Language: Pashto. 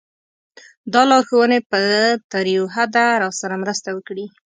دا لارښوونې به تر یوه حده راسره مرسته وکړي.